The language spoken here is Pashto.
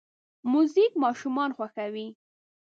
موزیک ماشومان خوښوي.